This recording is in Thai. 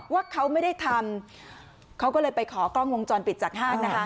ว่าเขาไม่ได้ทำเขาก็เลยไปขอกล้องวงจรปิดจากห้างนะคะ